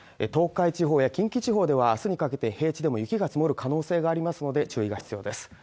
東海地方や近畿地方ではあすにかけて平地でも雪が積もる可能性がありますので注意が必要です